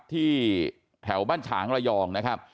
ที่แถวบ้านฉางระยองนะครับ